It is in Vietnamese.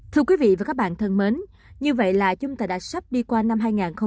thưa quý vị và các bạn thân mến như vậy là chúng ta đã sắp đi qua năm hai nghìn một mươi tám